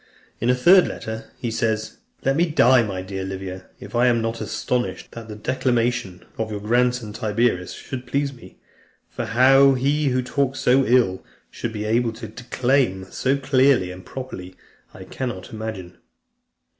In a third letter, he says, "Let me die, my dear Livia, if I am not astonished, that the declamation of your grandson, Tiberius, should please me; for how he who talks so ill, should be able to declaim so clearly and properly, I cannot imagine."